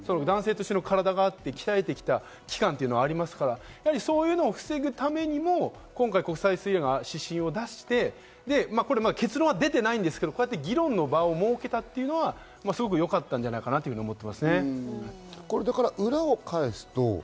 男性としての体があって、鍛えてきた期間がありますから、そういうのを防ぐためにも、今回、国際水泳が指針を出して、結論は出ていないですけど、議論の場を設けたというのはすごくよかったんじゃないかなと思ってますね。